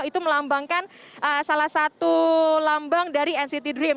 itu melambangkan salah satu lambang dari nct dream